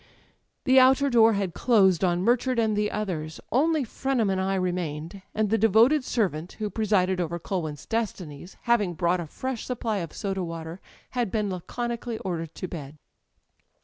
The outer door had closed on Murchard and the others; only Frenham and I remained; and the devoted servant who presided over Culwin's destitiies, having brought a fresh supply of soda water, had been laconi cally ordered to bed.